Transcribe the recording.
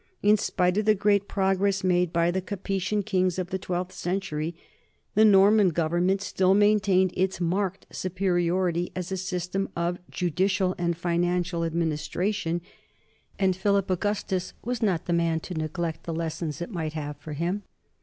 In spite of the great progress made by the Capetian kings of the twelfth century, the Norman government still maintained its marked superiority as a system of judicial and fiscal administration, and Philip Augustus was not the man to neglect the lessons it might have for him.